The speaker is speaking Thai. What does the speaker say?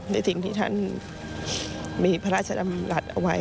ในสิ่งที่ท่านมีพระราชดำรัฐเอาไว้